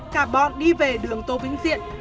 cả bọn đi về đường tô vĩnh diện